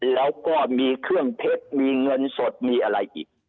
แล้วก็มีเครื่องเท็จมีเงินสดมีอะไรอีก